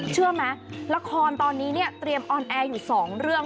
เชื่อไหมละครตอนนี้เนี่ยเตรียมออนแอร์อยู่๒เรื่อง